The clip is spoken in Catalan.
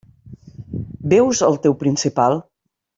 Veus el teu principal?